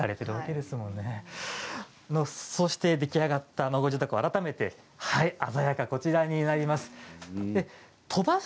そして出来上がった孫次凧、改めて、鮮やかこちらになります。